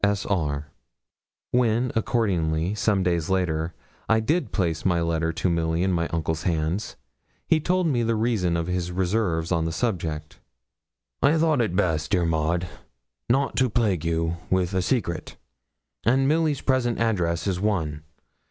S.R.' When, accordingly, some days later, I did place my letter to Milly in my uncle's hands, he told me the reason of his reserves on the subject. 'I thought it best, dear Maud, not to plague you with a secret, and Milly's present address is one.